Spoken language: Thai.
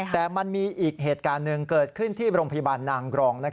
แต่มันมีอีกเหตุการณ์หนึ่งเกิดขึ้นที่โรงพยาบาลนางกรอง